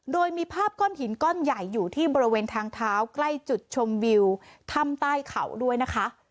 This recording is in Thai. โดยมีภาพก้อนหินก้อนใหญ่อยู่ที่บริเวณทางเท้าใกล้จุดชมวิวถ้ำใต้เขาด้วยนะคะ